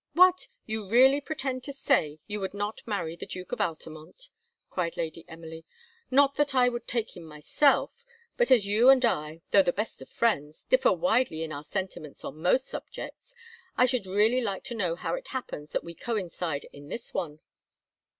"What! you really pretend to say you would not marry the Duke of Altamont?" cried Lady Emily. "Not that I would take him myself; but as you and I, though the best of friends, differ widely in our sentiments on most subjects, I should really like to know how it happens that we coincide in this one.